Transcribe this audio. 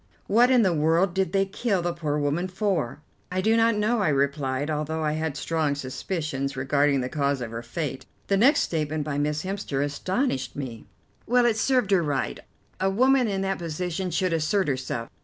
What in the world did they kill the poor woman for?" "I do not know," I replied, although I had strong suspicions regarding the cause of her fate. The next statement by Miss Hemster astonished me. "Well, it served her right. A woman in that position should assert herself.